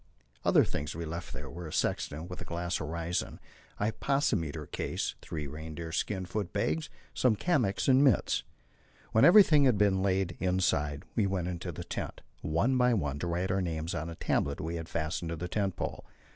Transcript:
Other things we left there were a sextant with a glass horizon, a hypsometer case, three reindeer skin foot bags, some kamiks and mits. When everything had been laid inside, we went into the tent, one by one, to write our names on a tablet we had fastened to the tent pole.